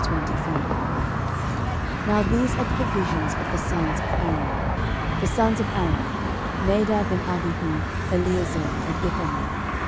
13:024:001 Now these are the divisions of the sons of Aaron. The sons of Aaron; Nadab, and Abihu, Eleazar, and Ithamar.